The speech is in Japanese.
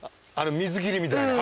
水切りみたいな。